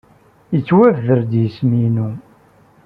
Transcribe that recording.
Yettwabder-d yisem-inu.